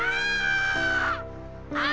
あ！！